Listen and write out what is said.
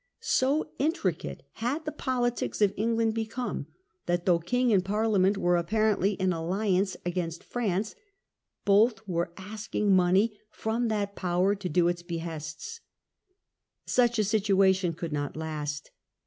So situation, 1678. intricate had the politics of England become that, though king and Parliament were apparently in alliance against France, both were asking money from that power to do its behests. Such a situation could not last.